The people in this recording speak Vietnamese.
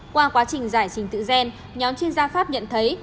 qua quá trình giải trình tự gen nhóm chuyên gia pháp nhận thấy